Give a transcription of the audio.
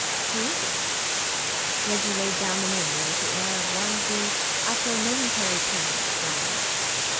"Who is it?" Reggie laid down the menu with the air of one who after a momentary panic rallies.